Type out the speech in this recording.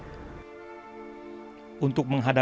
sehingga kita bisa memiliki kekuatan yang berbeda